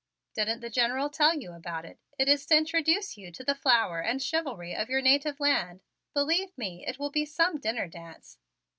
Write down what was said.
"Didn't the General tell you about it? It is to introduce you to the flower and chivalry of your native land. Believe me, it will be some dinner dance.